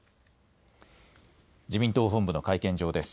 自民党本部の会見場です。